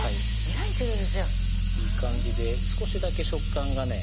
やんいい感じで少しだけ食感がね